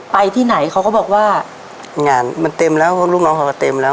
ไปที่ไหนเขาก็บอกว่างานมันเต็มแล้วลูกน้องเขาก็เต็มแล้ว